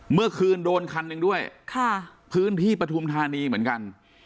เมื่อคืนโดนคันหนึ่งด้วยพื้นที่ปฐุมธานีเหมือนกัน